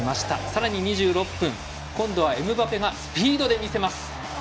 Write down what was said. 更に、２６分今度はエムバペがスピードで見せます。